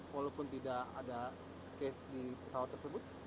walaupun tidak ada case di pesawat tersebut